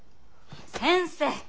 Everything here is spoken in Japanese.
先生